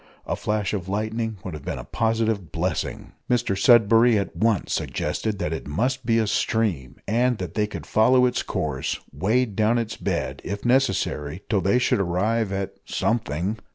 A flash of lightning would have been a positive blessing. Mr Sudberry at once suggested that it must be a stream, and that they could follow its course wade down its bed, if necessary till they should arrive at "something!"